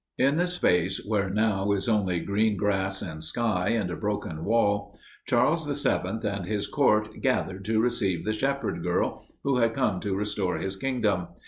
In the space where now is only green grass and sky and a broken wall, Charles VII and his court gathered to receive the shepherd girl who had come to restore his kingdom.